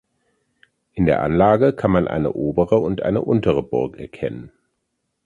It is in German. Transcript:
In der Anlage kann man eine obere und eine untere Burg erkennen.